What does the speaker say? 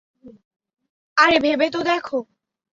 আরে, ভেবে তো দেখ!